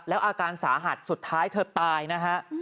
แล้วอาการสาหัสสุดท้ายเธอตายนะฮะ